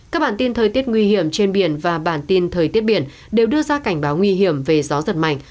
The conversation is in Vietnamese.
các bản tin thời tiết nguy hiểm trên biển và bản tin thời tiết biển đều đưa ra cảnh báo nguy hiểm về gió giật mạnh